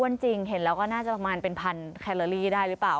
จริงเห็นแล้วก็น่าจะประมาณเป็นพันแคลอรี่ได้หรือเปล่า